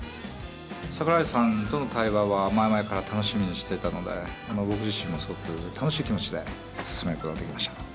桜井さんとの対話は前々から楽しみにしていたので僕自身もすごく楽しい気持ちで進めることができました。